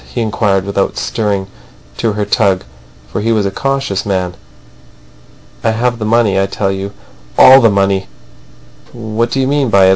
he inquired, without stirring to her tug; for he was a cautious man. "I have the money, I tell you. All the money." "What do you mean by it?